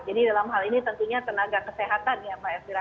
jadi dalam hal ini tentunya tenaga kesehatan ya pak eswira